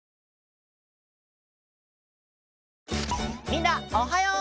みんなおはよう！